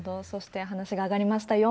そして、話が上がりました